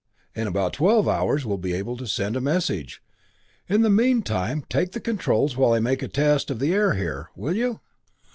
In about twelve hours we'll be able to send a message. In the meantime, take the controls while I make a test of the air here, will you?"